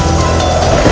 itu udah gila